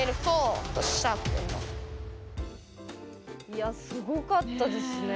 いやすごかったですね。